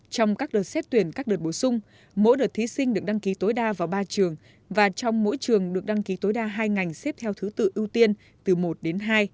trong các đợt xét tuyển các đợt bổ sung mỗi đợt thí sinh được đăng ký tối đa vào ba trường và trong mỗi trường được đăng ký tối đa hai ngành xếp theo thứ tự ưu tiên từ một đến hai